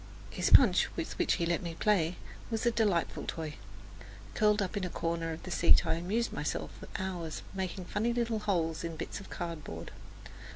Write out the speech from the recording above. His punch, with which he let me play, was a delightful toy. Curled up in a corner of the seat I amused myself for hours making funny little holes in bits of cardboard.